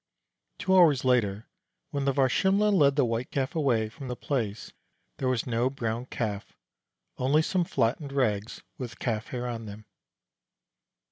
Two hours later, when the Varsimle' led the White Calf away from the place, there was no Brown Calf, only some flattened rags with calf hair on them.